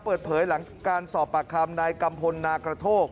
เปิดเผยหลังการสอบปากคำนายกัมพลนากระโทก